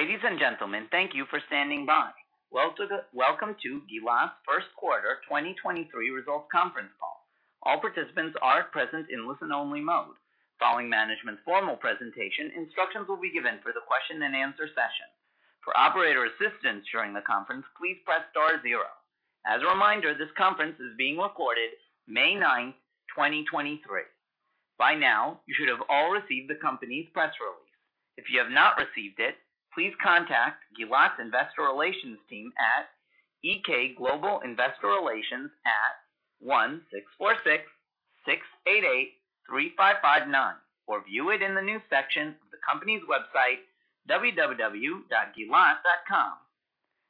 Ladies and gentlemen, thank you for standing by. Welcome to Gilat's first quarter 2023 results conference call. All participants are at present in listen-only mode. Following management's formal presentation, instructions will be given for the question and answer session. For operator assistance during the conference, please press star zero. As a reminder, this conference is being recorded May 9th, 2023. By now, you should have all received the company's press release. If you have not received it, please contact Gilat Investor Relations team at EK Global Investor Relations at 1-646-688-3559, or view it in the new section of the company's website www.gilat.com.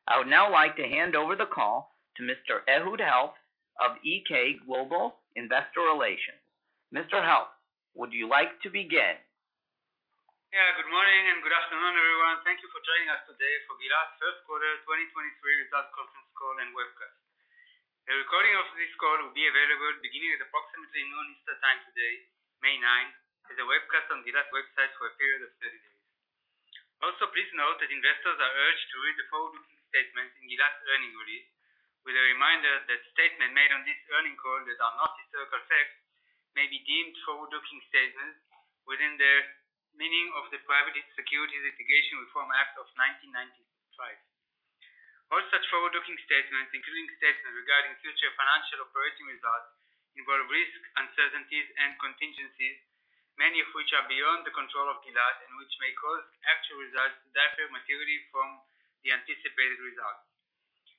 I would now like to hand over the call to Mr. Ehud Helft of EK Global Investor Relations. Mr. Helft, would you like to begin? Good morning and good afternoon, everyone. Thank you for joining us today for Gilat's first quarter 2023 results conference call and webcast. A recording of this call will be available beginning at approximately 12:00 P.M. Eastern Time today, May 9th, as a webcast on Gilat website for a period of 30 days. Please note that investors are urged to read the forward-looking statements in Gilat's earnings release with a reminder that statement made on this earnings call that are not historical facts may be deemed forward-looking statements within the meaning of the Private Securities Litigation Reform Act of 1995. All such forward-looking statements, including statements regarding future financial operating results involve risks, uncertainties and contingencies, many of which are beyond the control of Gilat, and which may cause actual results to differ materially from the anticipated results.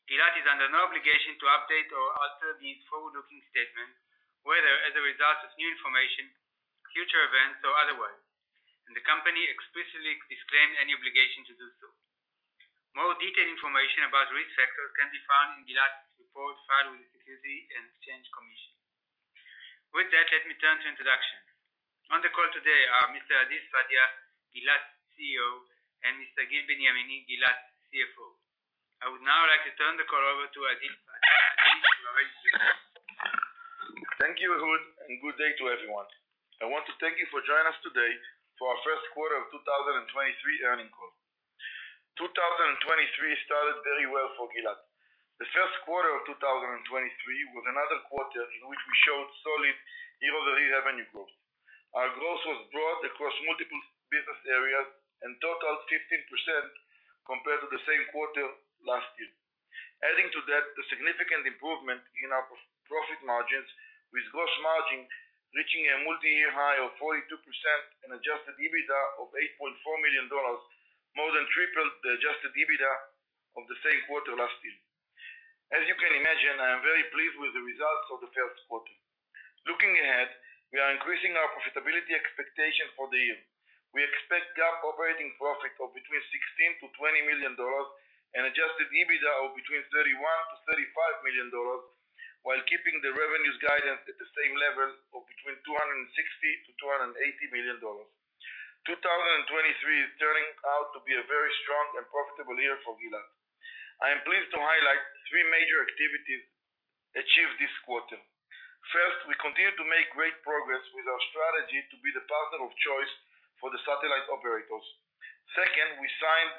Gilat is under no obligation to update or alter these forward-looking statements, whether as a result of new information, future events, or otherwise. The company explicitly disclaims any obligation to do so. More detailed information about risk factors can be found in Gilat's report filed with the Securities and Exchange Commission. With that, let me turn to introductions. On the call today are Mr. Adi Sfadia, Gilat's CEO, and Mr. Gil Benyamini, Gilat's CFO. I would now like to turn the call over to Adi Sfadia. Adi, the floor is yours. Thank you, Ehud, and good day to everyone. I want to thank you for joining us today for our first quarter of 2023 earning call. 2023 started very well for Gilat. The first quarter of 2023 was another quarter in which we showed solid year-over-year revenue growth. Our growth was broad across multiple business areas and totaled 15% compared to the same quarter last year. Adding to that, the significant improvement in our pro-profit margins with gross margin reaching a multi-year high of 42% and Adjusted EBITDA of $8.4 million, more than tripled the Adjusted EBITDA of the same quarter last year. As you can imagine, I am very pleased with the results of the first quarter. Looking ahead, we are increasing our profitability expectation for the year. We expect GAAP operating profit of between $16 million and $20 million and Adjusted EBITDA of between $31 million and $35 million, while keeping the revenues guidance at the same level of between $260 million and $280 million. 2023 is turning out to be a very strong and profitable year for Gilat. I am pleased to highlight three major activities achieved this quarter. First, we continue to make great progress with our strategy to be the partner of choice for the satellite operators. Second, we signed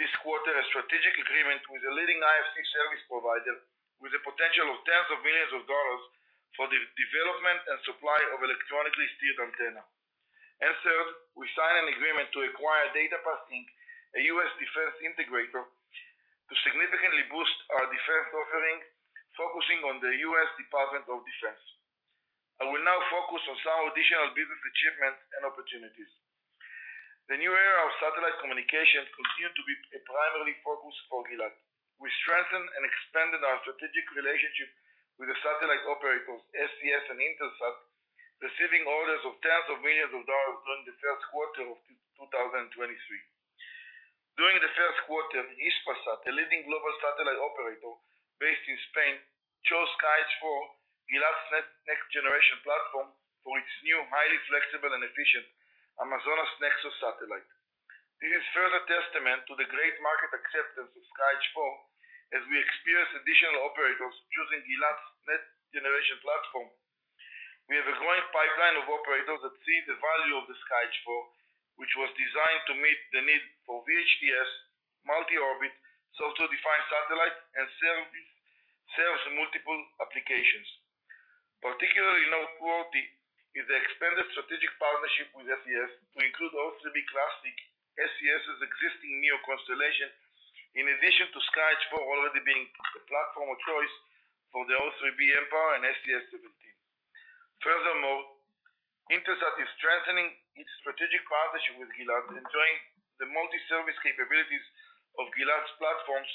this quarter a strategic agreement with a leading IFC service provider with the potential of tens of millions of dollars for the development and supply of electronically steered antenna. Third, we signed an agreement to acquire DataPath, Inc, a U.S. defense integrator, to significantly boost our defense offering, focusing on the U.S. Department of Defense. I will now focus on some additional business achievements and opportunities. The new era of satellite communications continue to be a primary focus for Gilat. We strengthened and expanded our strategic relationship with the satellite operators, SES and Intelsat, receiving orders of tens of millions of dollars during the first quarter of 2023. During the first quarter, Hispasat, a leading global satellite operator based in Spain, chose SkyEdge IV, Gilat's next-generation platform, for its new highly flexible and efficient Amazonas Nexus satellite. This is further testament to the great market acceptance of SkyEdge IV as we experience additional operators choosing Gilat's next-generation platform. We have a growing pipeline of operators that see the value of the SkyEdge IV, which was designed to meet the need for VHTS, multi-orbit, software-defined satellite and serves multiple applications. Particularly noteworthy is the expanded strategic partnership with SES to include O3b Classic, SES's existing MEO constellation, in addition to SkyEdge IV already being the platform of choice for the O3b mPOWER and SES-17. Furthermore, Intelsat is strengthening its strategic partnership with Gilat, enjoying the multi-service capabilities of Gilat's platforms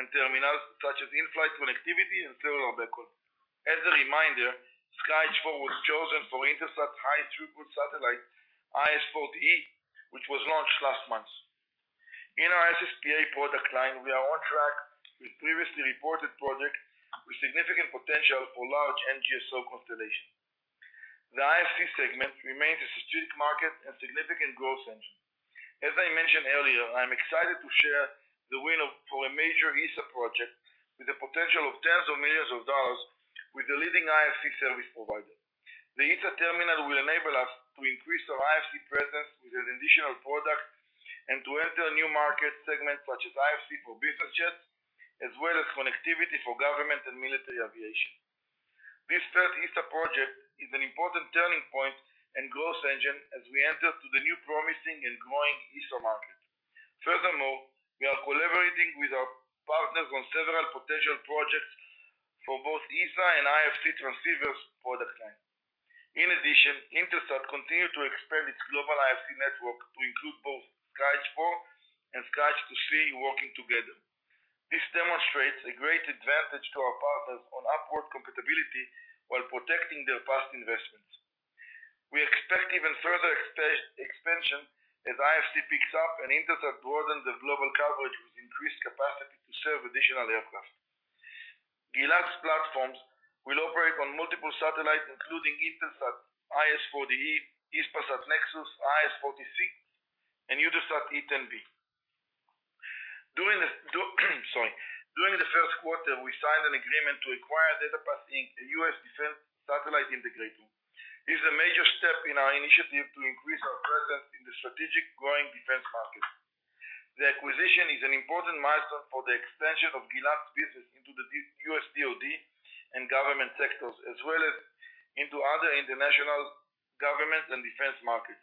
and terminals, such as in-flight connectivity and cellular backup. As a reminder, SkyEdge IV was chosen for Intelsat's high-throughput satellite, IS-40e, which was launched last month. In our SSPA product line, we are on track with previously reported project with significant potential for large NGSO constellation. The IFC segment remains a strategic market and significant growth engine. As I mentioned earlier, I'm excited to share the win for a major ESA project with the potential of tens of millions of dollars. Leading IFC service provider. The ESA terminal will enable us to increase our IFC presence with an additional product and to enter a new market segment, such as IFC for business jets, as well as connectivity for government and military aviation. This third ESA project is an important turning point and growth engine as we enter to the new promising and growing ESA market. Furthermore, we are collaborating with our partners on several potential projects for both ESA and IFC transceivers product line. In addition, Intelsat continue to expand its global IFC network to include both SkyEdge IV and SkyEdge II-c working together. This demonstrates a great advantage to our partners on upward compatibility while protecting their past investments. We expect even further expansion as IFC picks up and Intelsat broadens the global coverage with increased capacity to serve additional aircraft. The Gilat platforms will operate on multiple satellites, including Intelsat IS-40E, Eutelsat Nexus IS-40C, and EUTELSAT 10B. During the first quarter, we signed an agreement to acquire DataPath, Inc, a U.S. defense satellite integrator. This is a major step in our initiative to increase our presence in the strategic growing defense market. The acquisition is an important milestone for the expansion of Gilat's business into the U.S. DoD and government sectors, as well as into other international governments and defense markets.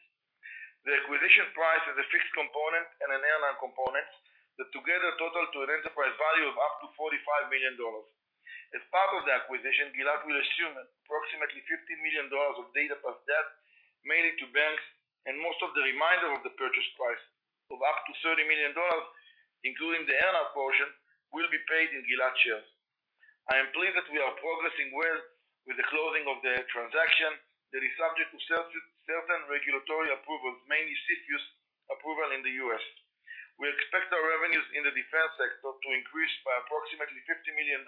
The acquisition price is a fixed component and an earn-out component that together total to an enterprise value of up to $45 million. As part of the acquisition, Gilat will assume approximately $50 million of DataPath's debt made into banks, and most of the remainder of the purchase price of up to $30 million, including the earn-out portion, will be paid in Gilat shares. I am pleased that we are progressing well with the closing of the transaction that is subject to certain regulatory approvals, mainly CFIUS approval in the U.S. We expect our revenues in the defense sector to increase by approximately $50 million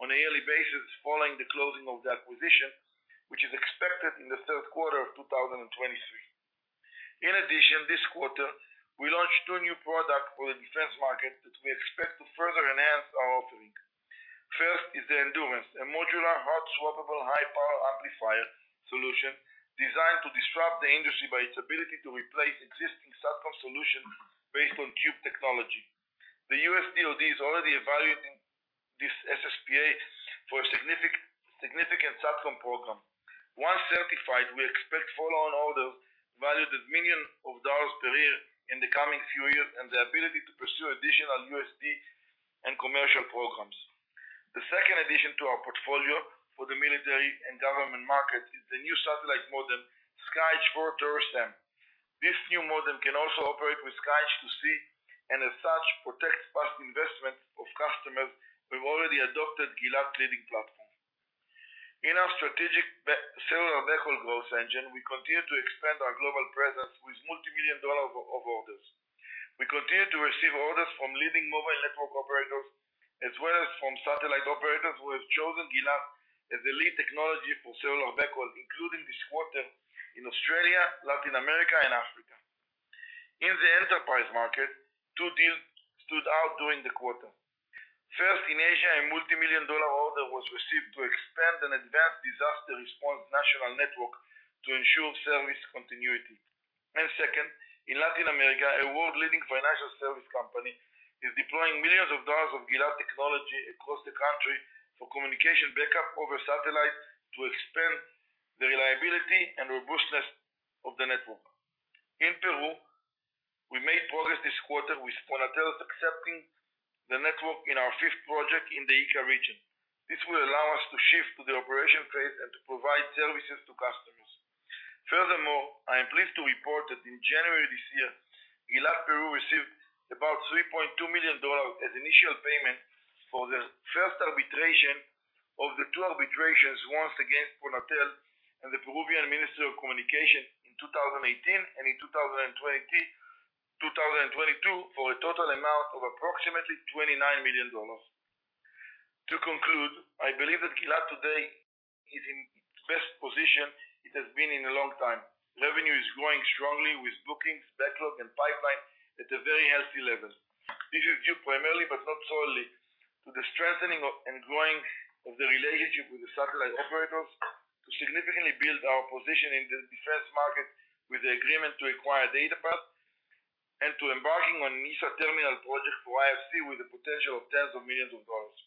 on a yearly basis following the closing of the acquisition, which is expected in the third quarter of 2023. This quarter, we launched two new products for the defense market that we expect to further enhance our offering. First is the Endurance, a modular hot-swappable high-power amplifier solution designed to disrupt the industry by its ability to replace existing SATCOM solution based on cube technology. The U.S. DoD is already evaluating this SSPA for a significant SATCOM program. Once certified, we expect follow-on orders valued at $ millions per year in the coming few years. The ability to pursue additional USD and commercial programs. The second addition to our portfolio for the military and government market is the new satellite modem, SkyEdge IV Taurus-M. This new modem can also operate with SkyEdge II-c. As such, protects past investments of customers who've already adopted Gilat leading platform. In our strategic cellular backhaul growth engine, we continue to expand our global presence with $ multi-million of orders. We continue to receive orders from leading mobile network operators, as well as from satellite operators who have chosen Gilat as the lead technology for cellular backhaul, including this quarter in Australia, Latin America, and Africa. In the enterprise market, two deals stood out during the quarter. First, in Asia, a multi-million dollar order was received to expand an advanced disaster response national network to ensure service continuity. Second, in Latin America, a world-leading financial service company is deploying millions of dollars of Gilat technology across the country for communication backup over satellite to expand the reliability and robustness of the network. In Peru, we made progress this quarter with PRONATEL accepting the network in our fifth project in the Ica region. This will allow us to shift to the operation phase and to provide services to customers. I am pleased to report that in January this year, Gilat Peru received about $3.2 million as initial payment for the first arbitration of the two arbitrations once again PRONATEL and the Peruvian Ministry of Transportation and Communications in 2018 and in 2022 for a total amount of approximately $29 million. To conclude, I believe that Gilat today is in its best position it has been in a long time. Revenue is growing strongly with bookings, backlog and pipeline at a very healthy level. This is due primarily, but not solely, to the strengthening of and growing of the relationship with the satellite operators to significantly build our position in the defense market with the agreement to acquire DataPath and to embarking on an ESA terminal project for IFC with the potential of tens of millions of dollars.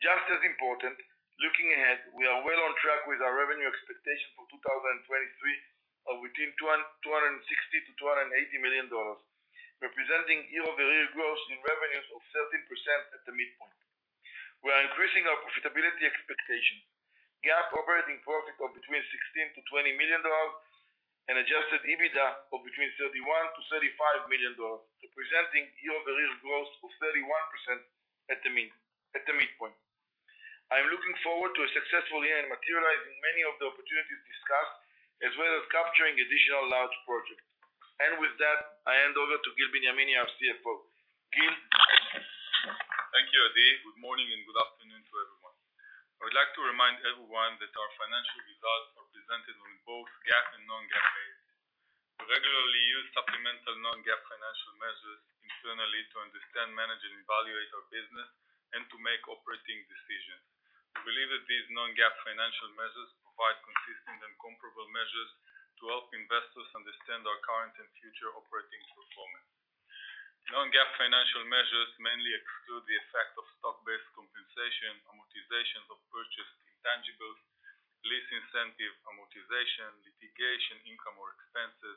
Just as important, looking ahead, we are well on track with our revenue expectation for 2023 of between $260 million-$280 million, representing year-over-year growth in revenues of 13% at the midpoint. We are increasing our profitability expectation. GAAP operating profit of between $16 million-$20 million and Adjusted EBITDA of between $31 million-$35 million, representing year-over-year growth of 31% at the midpoint. I am looking forward to a successful year in materializing many of the opportunities discussed, as well as capturing additional large projects. With that, I hand over to Gil Benyamini, our CFO. Gil? Thank you, Adi. Good morning and good afternoon to everyone. I would like to remind everyone that Evaluate our business and to make operating decisions. We believe that these non-GAAP financial measures provide consistent and comparable measures to help investors understand our current and future operating performance. Non-GAAP financial measures mainly exclude the effect of stock-based compensation, amortizations of purchased intangibles, lease incentive amortization, litigation, income or expenses,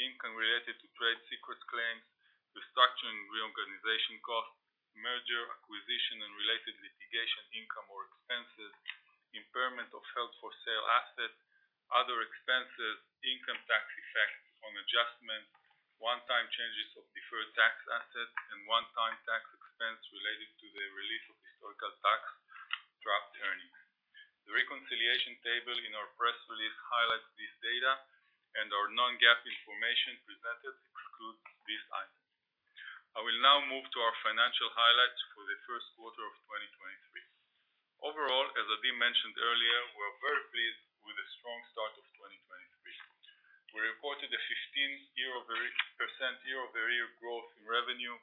income related to trade secrets claims, restructuring reorganization costs, merger, acquisition, and related litigation income or expenses, impairment of held-for-sale assets, other expenses, income tax effects on adjustments, one-time changes of deferred tax assets, and one-time tax expense related to the release of historical tax dropped earnings. The reconciliation table in our press release highlights this data and our non-GAAP information presented excludes these items. I will now move to our financial highlights for the first quarter of 2023. Overall, as Adi mentioned earlier, we are very pleased with the strong start of 2023. We reported a 15% year-over-year growth in revenue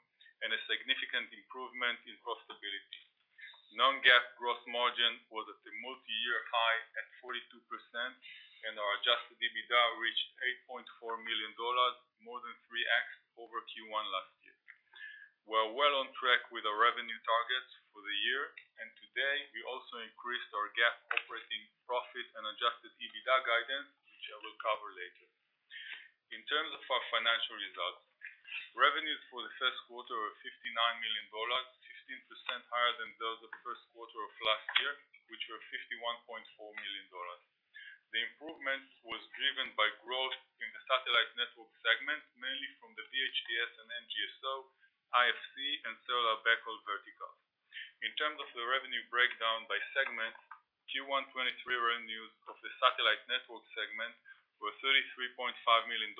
and a significant improvement in profitability. Non-GAAP growth margin was at a multi-year high at 42% and our Adjusted EBITDA reached $8.4 million, more than 3x over Q1 last year. We're well on track with our revenue targets for the year, and today we also increased our GAAP operating profit and Adjusted EBITDA guidance, which I will cover later. In terms of our financial results, revenues for the first quarter were $59 million, 15% higher than those of the first quarter of last year, which were $51.4 million. The improvement was driven by growth in the satellite network segment, mainly from the VHTS and NGSO, IFC, and cellular backhaul verticals. In terms of the revenue breakdown by segment, Q1 2023 revenues of the satellite network segment were $33.5 million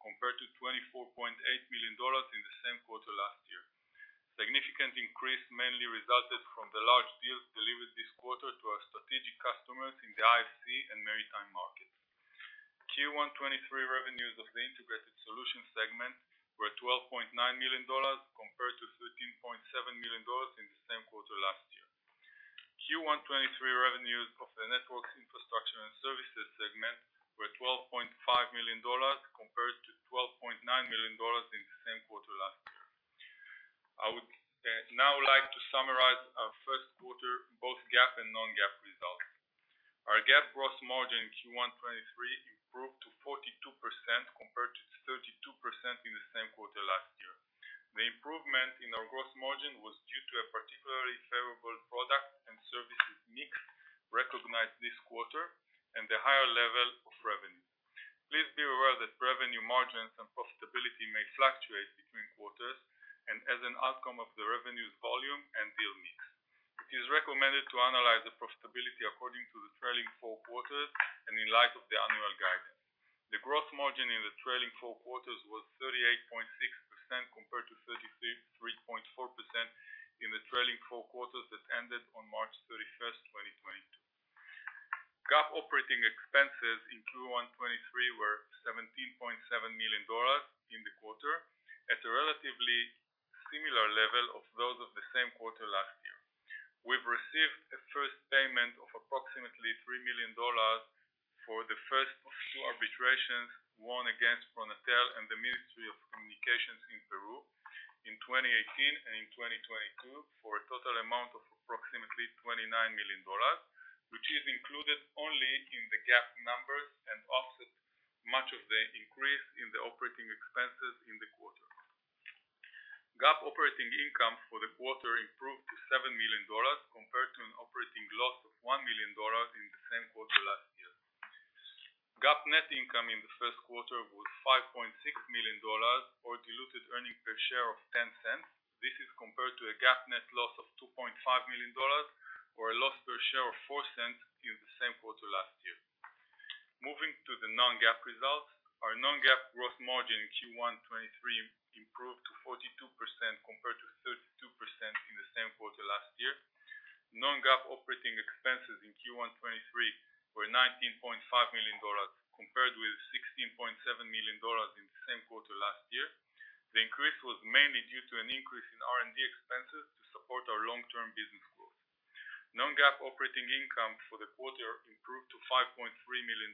compared to $24.8 million in the same quarter last year. Significant increase mainly resulted from the large deals delivered this quarter to our strategic customers in the IFC and maritime markets. Q1 2023 revenues of the integrated solutions segment were $12.9 million compared to $13.7 million in the same quarter last year. Q1 2023 revenues of the networks infrastructure and services segment were $12.5 million compared to $12.9 million in the same quarter last year. I would now like to summarize our first quarter, both GAAP and non-GAAP results. Our GAAP gross margin in Q1 2023 improved to 42% compared to 32% in the same quarter last year. The improvement in our gross margin was due to a particularly favorable product and services mix recognized this quarter and the higher level of revenue. Please be aware that revenue margins and profitability may fluctuate between quarters and as an outcome of the revenues volume and deal mix. It is recommended to analyze the profitability according to the trailing four quarters and in light of the annual guidance. The gross margin in the trailing four quarters was 38.6% compared to 33.4% in the trailing four quarters that ended on March 31, 2022. GAAP operating expenses in Q1 2023 were $17.7 million in the quarter at a relatively similar level of those of the same quarter last year. We've received a first payment of approximately $3 million for the first of two arbitrations won against PRONATEL and the Ministry of Communications in Peru in 2018 and in 2022 for a total amount of approximately $29 million, which is included only in the GAAP numbers and offsets much of the increase in the operating expenses in the quarter. GAAP operating income for the quarter improved to $7 million compared to an operating loss of $1 million in the same quarter last year. GAAP net income in the first quarter was $5.6 million or diluted earning per share of $0.10. This is compared to a GAAP net loss of $2.5 million or a loss per share of $0.04 in the same quarter last year. Moving to the non-GAAP results. Our non-GAAP gross margin in Q1 2023 improved to 42% compared to 32% in the same quarter last year. Non-GAAP operating expenses in Q1 2023 were $19.5 million compared with $16.7 million in the same quarter last year. The increase was mainly due to an increase in R&D expenses to support our long-term business growth. Non-GAAP operating income for the quarter improved to $5.3 million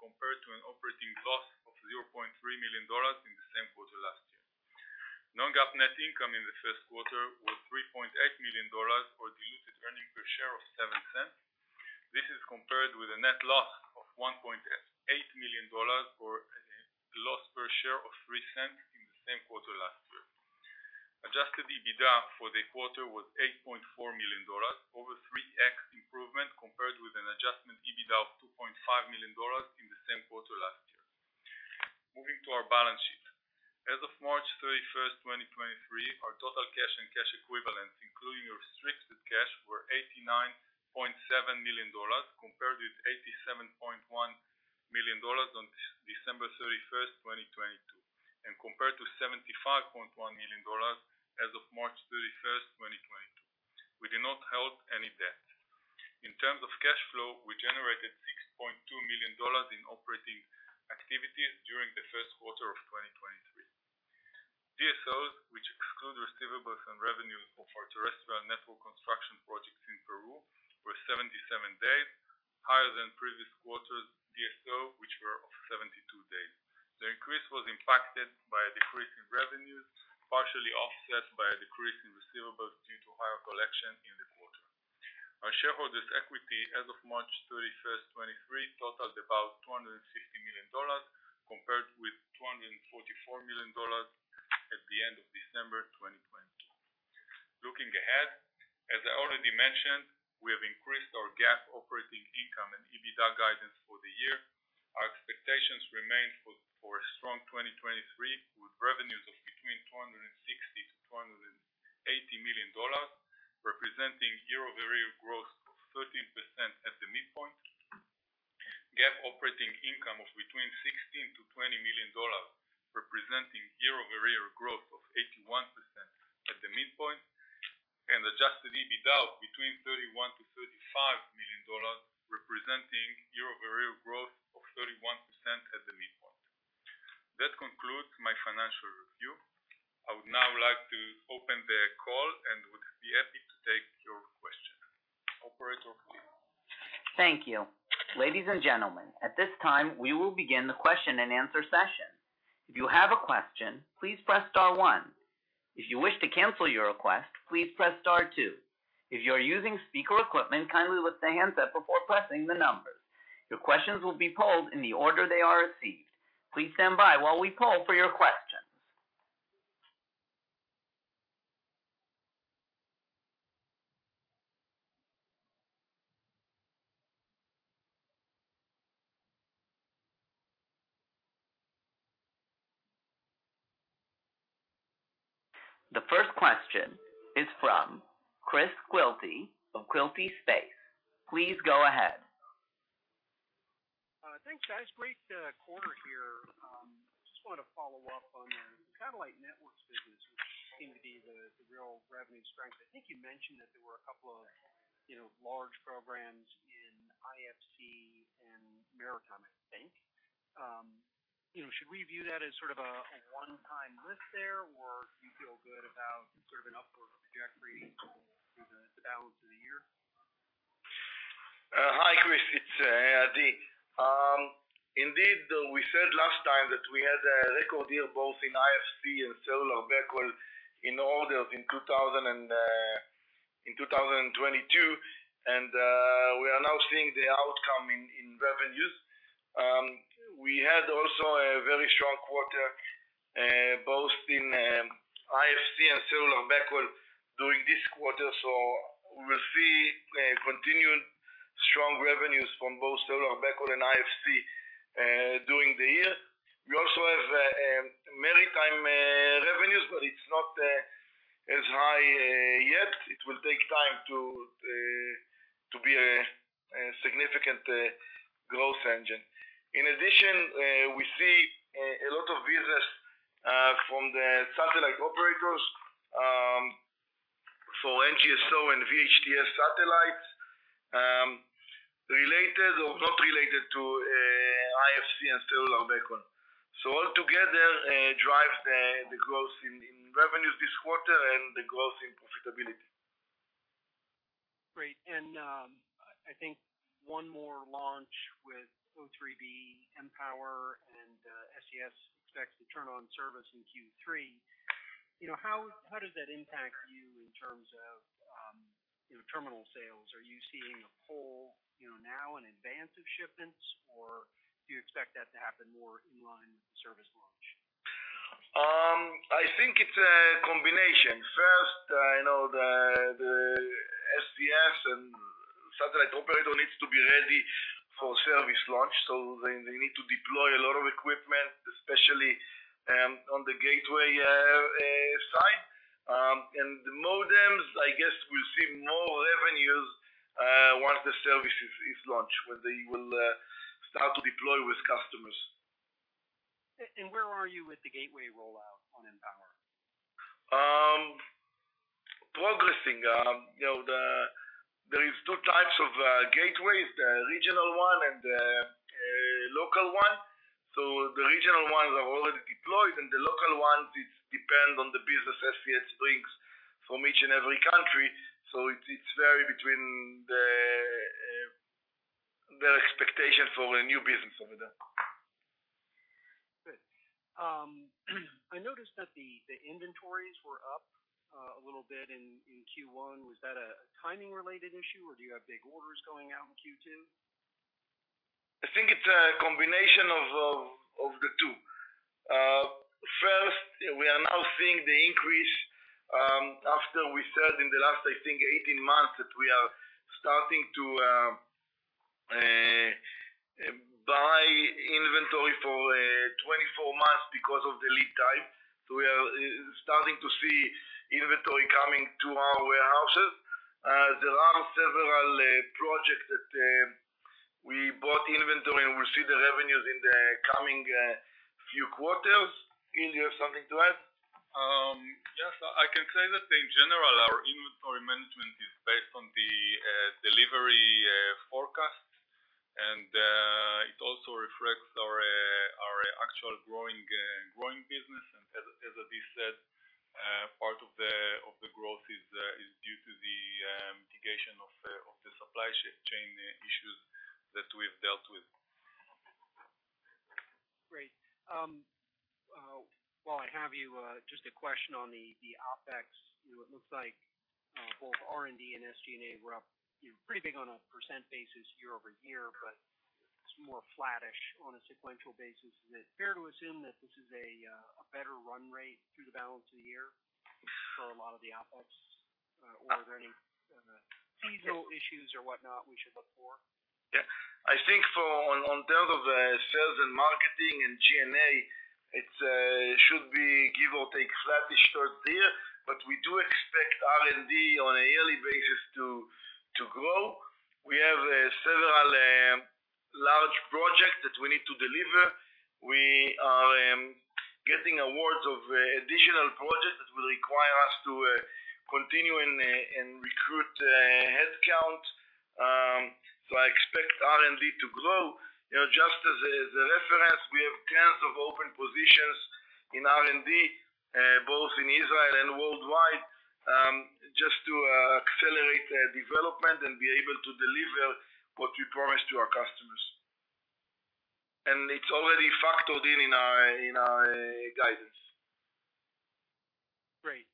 compared to an operating loss of $0.3 million in the same quarter last year. Non-GAAP net income in the first quarter was $3.8 million, or a diluted earnings per share of $0.07. This is compared with a net loss of $1.8 million, or a loss per share of $0.03 in the same quarter last year. Adjusted EBITDA for the quarter was $8.4 million, over 3x improvement compared with an Adjusted EBITDA of $2.5 million in the same quarter last year. Moving to our balance sheet. As of March 31, 2023, our total cash and cash equivalents, including restricted cash, were $89.7 million, compared with $87.1 million on December 31, 2022, and compared to $75.1 million as of March 31. In terms of cash flow, we generated $6.2 million in operating activities during the first quarter of 2023. DSOs, which exclude receivables and revenues of our terrestrial network construction projects in Peru, were 77 days, higher than previous quarters DSO, which were of 72 days. The increase was impacted by a decrease in revenues, partially offset by a decrease in receivables due to higher collection in the quarter. Our shareholders equity as of March 31st, 2023, totaled about $260 million, compared with $244 million at the end of December 2022. Looking ahead, as I already mentioned, we have increased our GAAP operating income and EBITDA guidance for the year. Our expectations remain for a strong 2023, with revenues of between $260 million-$280 million, representing year-over-year growth of 13% at the midpoint. GAAP operating income of between $16 million-$20 million, representing year-over-year growth of 81% at the midpoint, and Adjusted EBITDA between $31 million-$35 million, representing year-over-year growth of 31% at the midpoint. That concludes my financial review. I would now like to open the call and would be happy to take your questions. Operator. Thank you. Ladies and gentlemen, at this time, we will begin the question-and-answer session. If you have a question, please press star one. If you wish to cancel your request, please press star two. If you're using speaker equipment, kindly lift the handset before pressing the numbers. Your questions will be polled in the order they are received. Please stand by while we poll for your questions. The first question is from Chris Quilty of Quilty Space. Please go ahead. Thanks, guys. Great quarter here. Just want to follow up on the Satellite Networks business, which seem to be the real revenue strength. I think you mentioned that there were a couple of, you know, large programs in IFC and Maritime, I think. You know, should we view that as sort of a one-time lift there, or do you feel good about sort of an upward trajectory through the balance of the year? Hi, Chris. It's Adi. Indeed, we said last time that we had a record year, both in IFC and cellular backhaul in orders in 2022. We are now seeing the outcome in revenues. We had also a very strong quarter, both in IFC and cellular backhaul during this quarter. We'll see continued strong revenues from both cellular backhaul and IFC during the year. We also have maritime revenues, but it's not as high yet. It will take time to be a significant growth engine. We see a lot of business from the satellite operators for NGSO and VHTS satellites, related or not related to IFC and cellular backhaul. All together, drives the growth in revenues this quarter and the growth in profitability. Great. I think one more launch with O3b mPOWER SES expects to turn on service in Q3. You know, how does that impact you in terms of, you know, terminal sales? Are you seeing a pull, you know, now in advance of shipments, or do you expect that to happen more in line with service launch? I think it's a combination. First, I know the SES and satellite operator needs to be ready for service launch, so they need to deploy a lot of equipment, especially on the gateway side. The modems, I guess we'll see more revenues once the service is launched, when they will start to deploy with customers. where are you with the gateway rollout on mPOWER? Progressing. You know, there is two types of gateways, the regional one and the local one. The regional ones are already deployed, and the local ones, it depends on the business SES brings from each and every country. It's vary between their expectations for a new business over there. Good. I noticed that the inventories were up a little bit in Q1. Was that a timing-related issue, or do you have big orders going out in Q2? I think it's a combination of the two. First, we are now seeing the increase, after we said in the last, I think, 18 months, that we are starting to buy inventory for 24 months because of the lead time. We are starting to see inventory coming to our warehouses. There are several projects-Inventoring, we'll see the revenues in the coming few quarters. Illy, you have something to add? Yes. I can say that in general, our inventory management is based on the delivery forecast, and it also reflects our actual growing business. As Adi said, part of the growth is due to the mitigation of the supply chain issues that we've dealt with. Great. While I have you, just a question on the OpEx. You know, it looks like both R&D and SG&A were up, you know, pretty big on a % basis year-over-year, but it's more flattish on a sequential basis. Is it fair to assume that this is a better run rate through the balance of the year for a lot of the OpEx? Are there any seasonal issues or whatnot we should look for? I think on terms of sales and marketing and SG&A, it should be give or take flattish throughout the year. We do expect R&D on a yearly basis to grow. We have several large projects that we need to deliver. We are getting awards of additional projects that will require us to continue and recruit headcount. I expect R&D to grow. You know, just as a reference, we have tens of open positions in R&D, both in Israel and worldwide, just to accelerate development and be able to deliver what we promise to our customers. It's already factored in in our guidance. Great.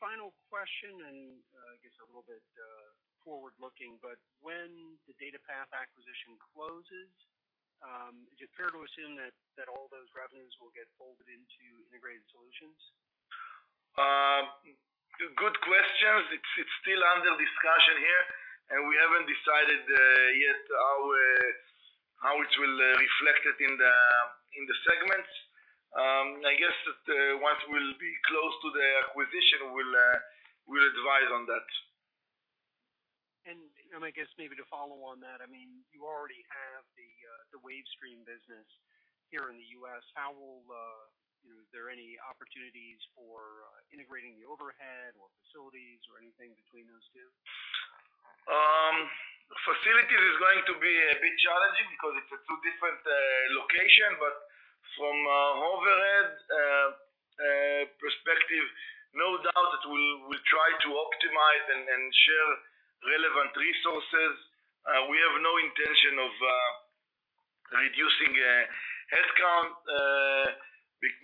Final question and, I guess a little bit, forward-looking, when the DataPath acquisition closes, is it fair to assume that all those revenues will get folded into integrated solutions? Good question. It's still under discussion here. We haven't decided yet how it will reflect it in the segments. I guess that once we'll be close to the acquisition, we'll advise on that. I guess maybe to follow on that, I mean, you already have the Wavestream business here in the U.S. How will, you know, is there any opportunities for integrating the overhead or facilities or anything between those two? Facilities is going to be a bit challenging because it's a two different location. From a overhead perspective, no doubt that we'll try to optimize and share relevant resources. We have no intention of reducing headcount,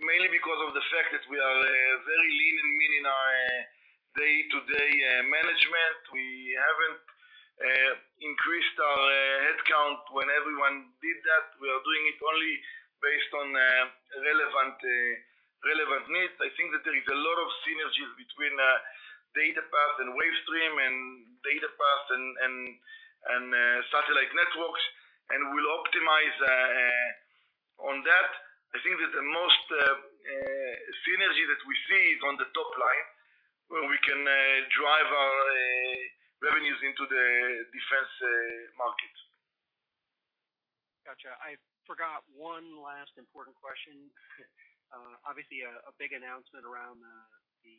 mainly because of the fact that we are very lean and mean in our day-to-day management. We haven't increased our headcount when everyone did that. We are doing it only based on relevant needs. I think that there is a lot of synergies between DataPath and Wavestream, and DataPath and satellite networks, and we'll optimize on that. I think that the most synergy that we see is on the top line, where we can drive our revenues into the defense market. Gotcha. I forgot one last important question. Obviously a big announcement around the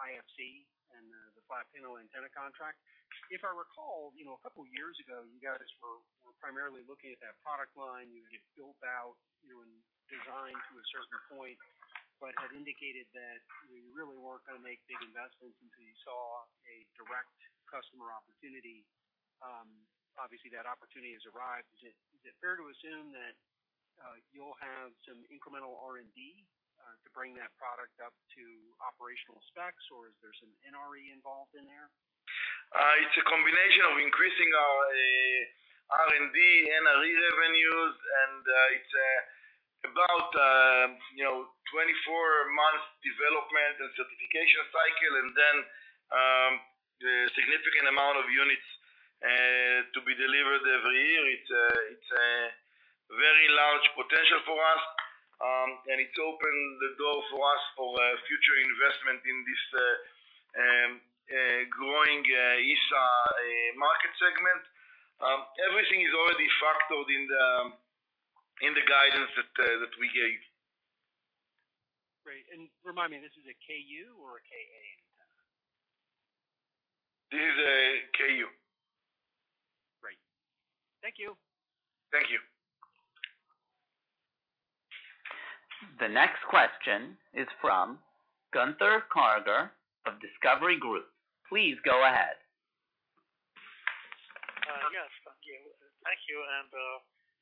IFC and the flat panel antenna contract. If I recall, you know, a couple of years ago, you guys were primarily looking at that product line. You had it built out, you know, and designed to a certain point, but had indicated that you really weren't gonna make big investments until you saw a direct customer opportunity. Obviously that opportunity has arrived. Is it fair to assume that you'll have some incremental R&D to bring that product up to operational specs, or is there some NRE involved in there? It's a combination of increasing our R&D NRE revenues, and it's about, you know, 24 months development and certification cycle, and then a significant amount of units to be delivered every year. It's a very large potential for us, and it opened the door for us for a future investment in this growing ESA market segment. Everything is already factored in the guidance that we gave. Great. Remind me, this is a KU or a KA antenna? This is a KU. Great. Thank you. Thank you. The next question is from Gunther Karger of Discovery Group. Please go ahead. Yes, thank you. Thank you, and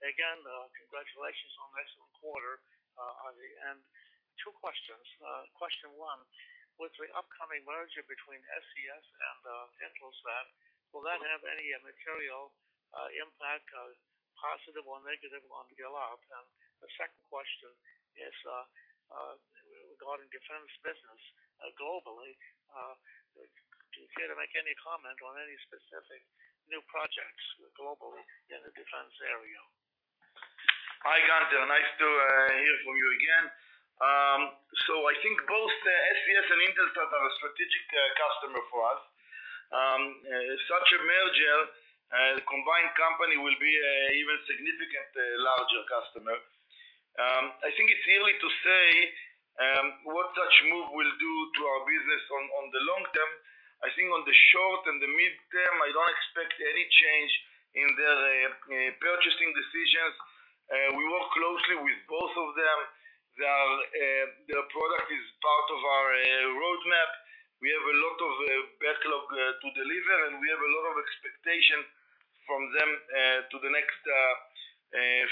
again, congratulations on an excellent quarter, Adi. Two questions. Question one, with the upcoming merger between SES and Intelsat, will that have any material impact, positive or negative on ELOP? The second question is regarding defense business globally, do you care to make any comment on any specific new projects globally in the defense? Hi, Gunther. Nice to hear from you again. I think both the SES and Intelsat are a strategic customer for us. Such a merger, the combined company will be even significant larger customer. I think it's early to say what such move will do to our business on the long term. I think on the short and the mid-term, I don't expect any change in their purchasing decisions. We work closely with both of them. Their product is part of our roadmap. We have a lot of backlog to deliver, and we have a lot of expectation from them to the next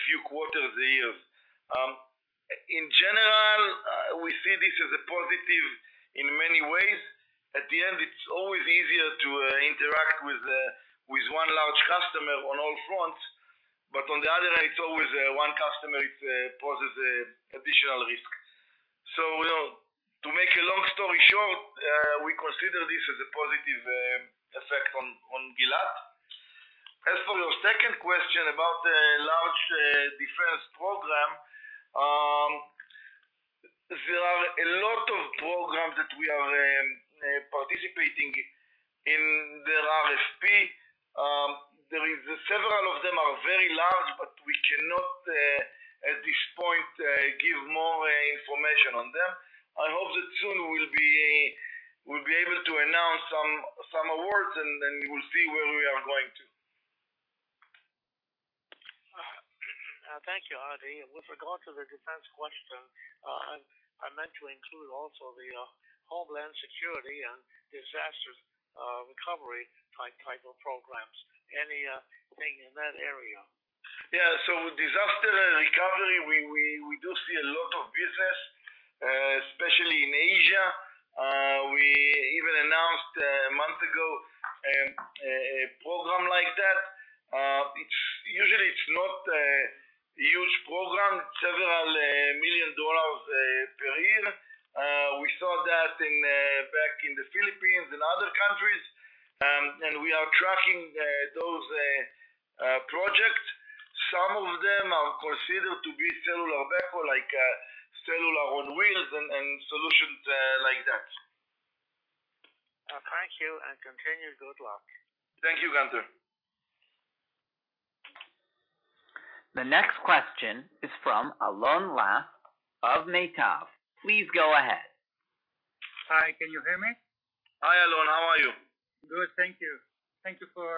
few quarters of the years. In general, we see this as a positive in many ways. At the end, it's always easier to interact with one large customer on all fronts. On the other hand, it's always one customer, it poses additional risk. You know, to make a long story short, we consider this as a positive effect on Gilat. As for your second question about the large defense program, there are a lot of programs that we are participating in their RFP. Several of them are very large, but we cannot at this point give more information on them. I hope that soon we'll be able to announce some awards. Then we'll see where we are going to. Thank you, Adi. With regard to the defense question, I meant to include also the homeland security and disaster recovery type of programs. Any thing in that area. Disaster recovery, we do see a lot of business, especially in Asia. We even announced a month ago, a program like that. Usually it's not a huge program. It's several million dollars per year. We saw that in back in the Philippines and other countries, and we are tracking those project. Some of them are considered to be cellular backup, like cellular on wheels and solutions like that. Thank you, and continue. Good luck. Thank you, Gunther. The next question is from Alon Lior of Meitav. Please go ahead. Hi, can you hear me? Hi, Alon. How are you? Good, thank you. Thank you for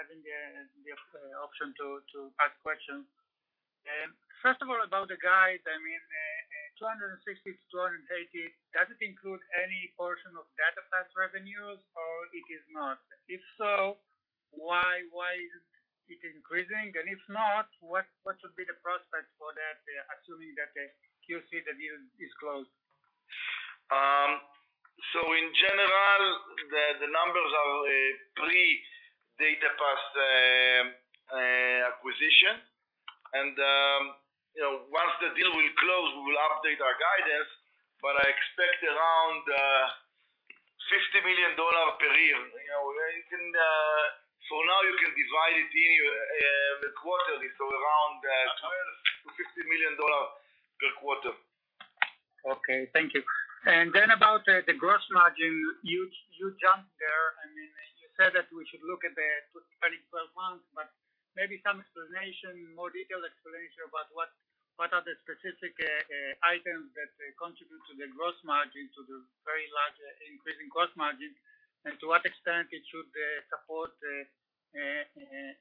having the option to ask questions. First of all, about the guide, I mean, $260 million-$280 million, does it include any portion of DataPath revenues or it is not? If so, why is it increasing? If not, what should be the prospect for that, assuming that the QC, the deal is closed? In general, the numbers are pre-DataPath acquisition. You know, once the deal will close, we will update our guidance, but I expect around $60 million per year. You know, now you can divide it in the quarterly, so around $12 million-$15 million per quarter. Okay, thank you. About the gross margin, you jumped there. I mean, you said that we should look at the 2012 months, but maybe some explanation, more detailed explanation about what are the specific items that contribute to the gross margin, to the very large increase in gross margin, and to what extent it should support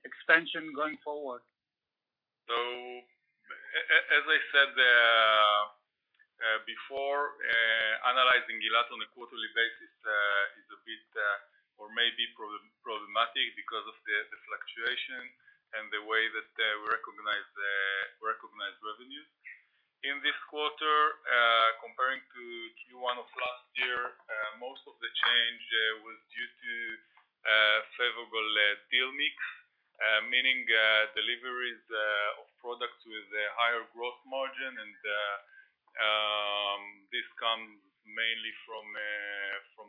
expansion going forward? As I said, before, analyzing Gilat on a quarterly basis, is a bit, or may be problematic because of the fluctuation and the way that we recognize revenues. In this quarter, comparing to Q1 of last year, most of the change was due to favorable deal mix, meaning deliveries of products with a higher growth margin and this comes mainly from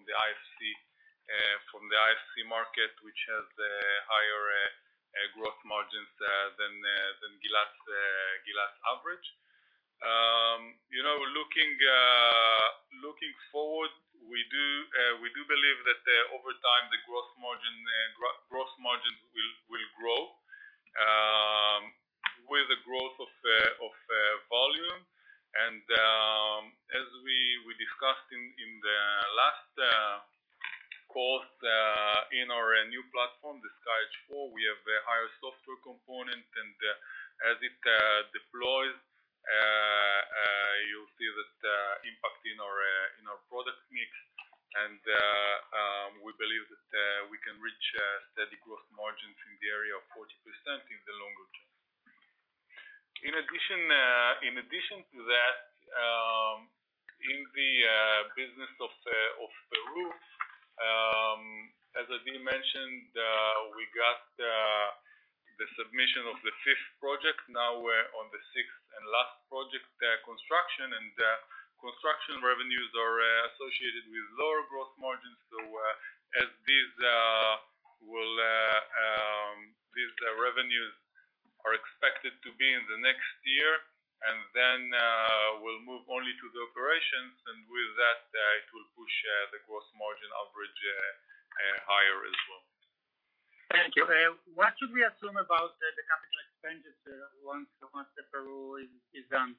the IFC, from the IFC market, which has higher growth margins than Gilat's average. You know, looking forward, we do believe that over time, the growth margin, growth margins will grow with the growth of volume. As we discussed in the last call, in our new platform, the SkyEdge IV, we have a higher software component and as it deploys, you'll see that impact in our in our product mix, and we believe that we can reach steady growth margins in the area of 40% in the longer term. In addition, in addition to that, in the business of Peru, as Adi mentioned, we got the submission of the fifth project. Now we're on the sixth and last project, construction, and construction revenues are associated with lower gross margin. As these will, these revenues are expected to be in the next year, then, we'll move only to the operations, with that, it will push the gross margin average higher as well. Thank you. What should we assume about the capital expenditures once the Peru is done?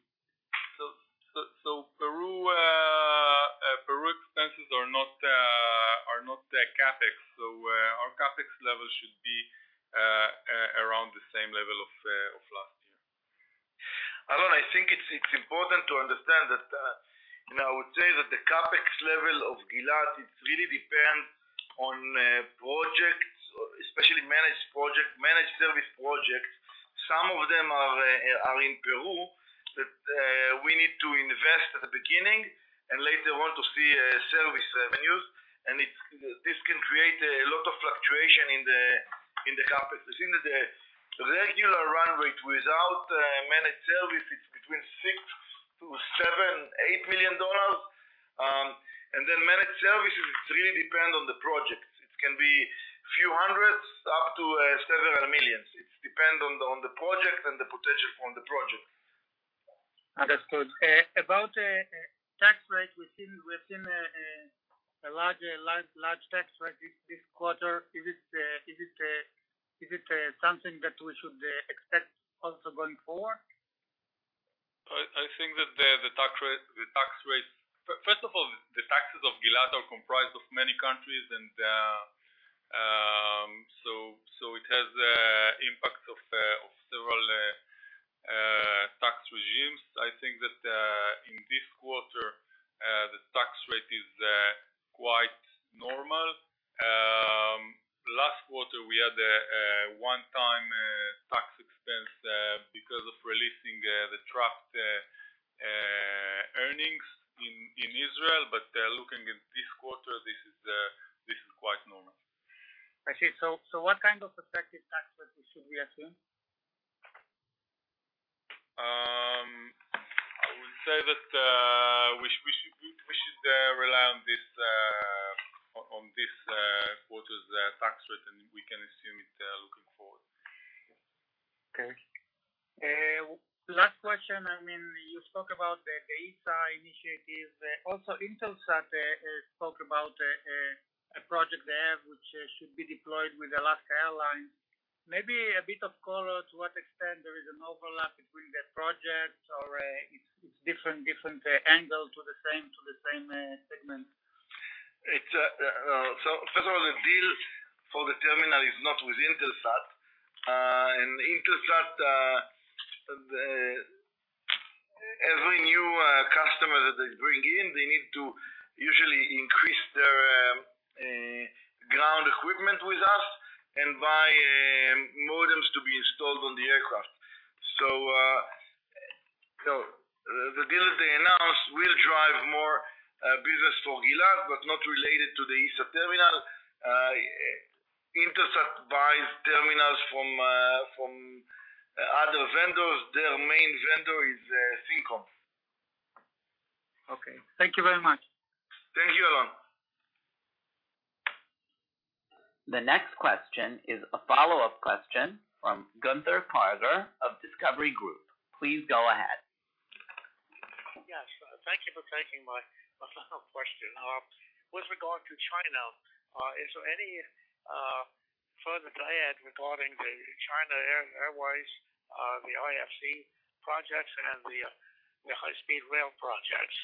Peru expenses are not the CapEx. Our CapEx levels should be around the same level of last year. Alon, I think it's important to understand that, you know, I would say that the CapEx level of Gilat, it really depends on projects, especially managed project, managed service projects. Some of them are in Peru that we need to invest at the beginning and later want to see service revenues. This can create a lot of fluctuation in the CapEx. In the regular run rate without managed service, it's between $6 million-$8 million. Then managed services, it really depend on the project. It can be a few hundreds, up to several millions. It depends on the project and the potential on the project. Understood. About tax rate, we've seen a larger tax rate this quarter. Is it something that we should expect also going forward? I think that the tax rates. First of all, the taxes of Gilat are comprised of many countries and so it has a impact of several tax regimes. I think that in this quarter, the tax rate is quite normal. Last quarter, we had a one-time tax expense because of releasing the trapped earnings in Israel. Looking at this quarter, this is quite normal. I see. What kind of effective tax rate should we assume? I would say that, we should rely on this quarter's tax rate, and we can assume it looking forward. Okay. Last question. I mean, you spoke about the ESA initiative. Intelsat spoke about a project they have which should be deployed with Alaska Airlines. Maybe a bit of color to what extent there is an overlap between the projects or, it's different angle to the same segment. First of all, the deal for the terminal is not with Intelsat. Intelsat, every new customer that they bring in, they need to usually increase their ground equipment with us and buy modems to be installed on the aircraft. The deal they announced will drive more business for Gilat, but not related to the ESA terminal. Intelsat buys terminals from other vendors. Their main vendor is Syncom. Okay. Thank you very much. Thank you, Alon. The next question is a follow-up question from Gunther Karger of Discovery Group. Please go ahead. Yes. Thank you for taking my follow-up question. With regard to China, is there any further to add regarding the China Airlines, the IFC projects and the high-speed rail projects?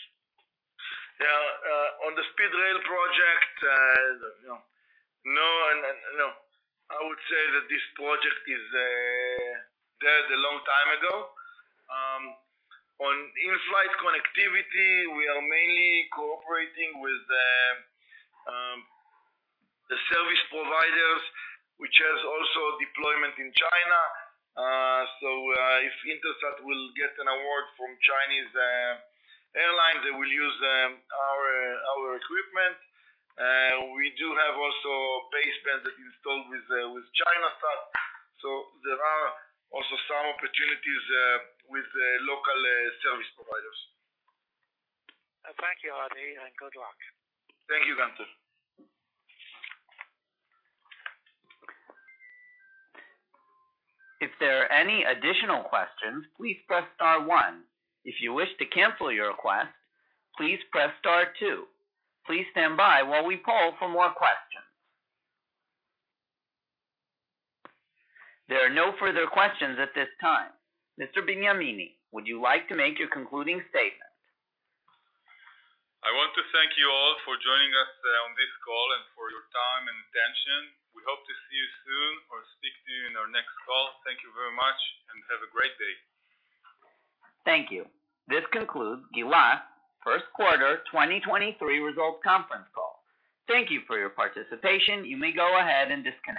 On the speed rail project, no, no. I would say that this project is dead a long time ago. On in-flight connectivity, we are mainly cooperating with the service providers, which has also deployment in China. If Intelsat will get an award from Chinese Airlines, they will use our equipment. We do have also baseband that we installed with ChinaSat. There are also some opportunities with the local service providers. Thank you, Adi, and good luck. Thank you, Gunther. If there are any additional questions, please press star one. If you wish to cancel your request, please press star two. Please stand by while we poll for more questions. There are no further questions at this time. Mr. Benyamini, would you like to make your concluding statement? I want to thank you all for joining us, on this call and for your time and attention. We hope to see you soon or speak to you in our next call. Thank you very much and have a great day. Thank you. This concludes Gilat first quarter 2023 results conference call. Thank you for your participation. You may go ahead and disconnect.